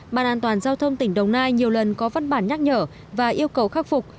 bàn an toàn giao thông tỉnh đồng nai nhiều lần có văn bản nhắc nhở và yêu cầu khắc phục